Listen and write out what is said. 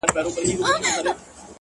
په نظر مې راپرېوتې ده څه ټکه